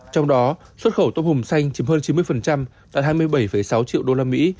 trong đó xuất khẩu tôm hùm xanh chiếm hơn chín mươi đạt hai mươi bảy sáu triệu usd